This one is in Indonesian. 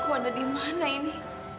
aku ada di mana ini